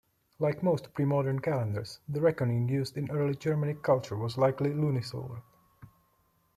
Like most pre-modern calendars, the reckoning used in early Germanic culture was likely lunisolar.